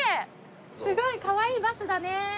すごいかわいいバスだね。